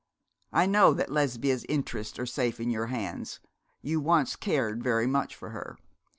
I know that Lesbia's interests are safe in your hands. You once cared very much for her.